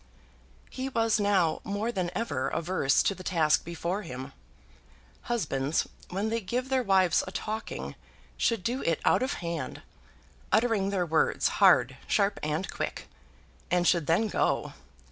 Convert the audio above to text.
He was now more than ever averse to the task before him. Husbands, when they give their wives a talking, should do it out of hand, uttering their words hard, sharp, and quick, and should then go.